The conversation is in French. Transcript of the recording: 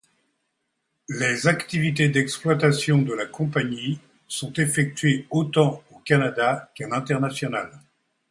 Les activités d’exploitation de la compagnie sont effectuées autant au Canada qu’à l’international.